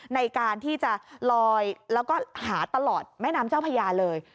ในการที่จะลอยแล้วก็หาตลอดแม่น้ำเจ้าพญาเลย